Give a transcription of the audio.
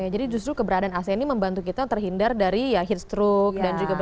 jadi justru keberadaan ac ini membantu kita terhindar dari ya heat stroke